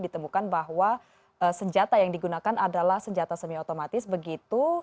ditemukan bahwa senjata yang digunakan adalah senjata semi otomatis begitu